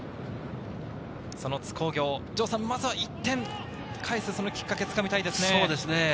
その津工業、城さん、まずは１点、返すきっかけをつかみたいですね。